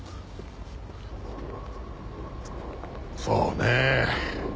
そうねえ。